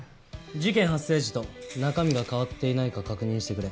事件発生時と中身が変わっていないか確認してくれ。